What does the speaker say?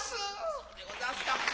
そうでござんすか。